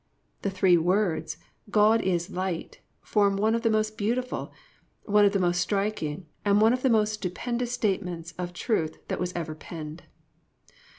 The three words, "God is Light," form one of the most beautiful, one of the most striking and one of the most stupendous statements of truth that was ever penned.